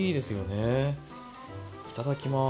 いただきます。